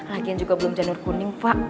lagian juga belum janur kuning pak